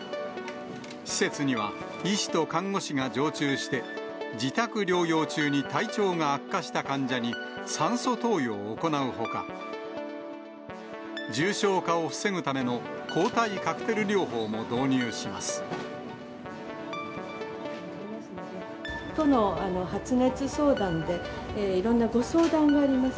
施設には、医師と看護師が常駐して、自宅療養中に体調が悪化した患者に酸素投与を行うほか、重症化を防ぐための抗体カクテル療法も導入します。